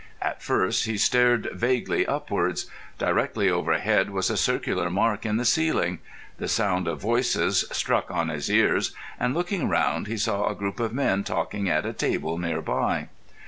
At first he stared vaguely upwards. Directly overhead was a circular mark in the ceiling. The sound of voices struck on his ears, and, looking round, he saw a group of men talking at a table near by.